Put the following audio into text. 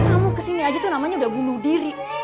kamu kesini aja tuh namanya udah bunuh diri